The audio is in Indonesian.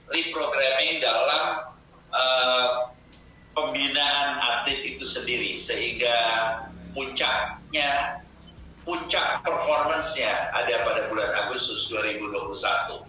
reprograming dalam pembinaan atlet itu sendiri sehingga puncaknya puncak performance nya ada pada bulan agustus dua ribu dua puluh satu